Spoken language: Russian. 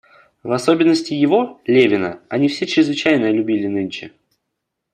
В особенности его, Левина, они все чрезвычайно любили нынче.